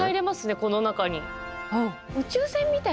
この中に。